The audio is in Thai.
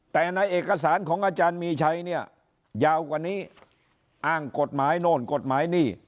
แต่ในเอกสารของอาจารย์มีชัยเนี่ยยาวกว่านี้อ้างกฎหมายโน่นกฎหมายนี่